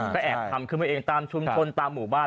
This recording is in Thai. ก็แอบทำขึ้นมาเองตามชุมชนตามหมู่บ้าน